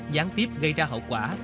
gián tiếp gây ra hậu quả